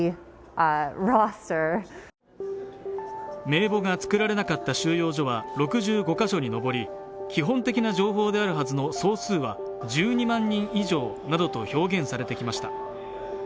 名簿が作られなかった収容所は６５か所に上り、基本的な情報であるはずの総数は１２万人以上などと表現されてきました。